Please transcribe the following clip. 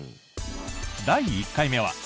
第１回目は。